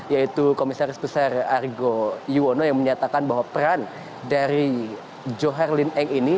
yaitu komisaris besar argo iwono yang menyatakan bahwa peran dari joharlene eng ini